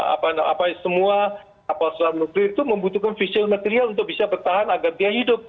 apa semua kapal selam nuklir itu membutuhkan fisial material untuk bisa bertahan agar dia hidup